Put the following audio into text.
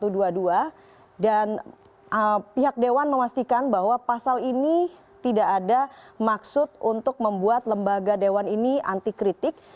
dan pihak dewan memastikan bahwa pasal ini tidak ada maksud untuk membuat lembaga dewan ini antikritik